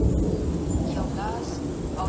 سکندرمقدوني او چنګیزیانو پر وړاندي.